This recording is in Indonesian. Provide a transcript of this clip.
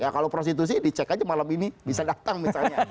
kalau prostitusi dicek aja malam ini bisa datang misalnya